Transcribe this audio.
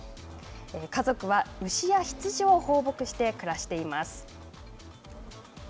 家族は牛や羊を放牧して暮らしています。